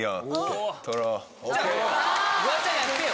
フワちゃんやってよ。